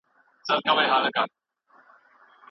د انرژۍ لوړې کچې وخت د سهار دی.